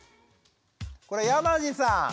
これ山地さん。